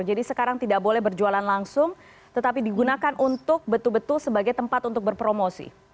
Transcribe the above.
jadi sekarang tidak boleh berjualan langsung tetapi digunakan untuk betul betul sebagai tempat untuk berpromosi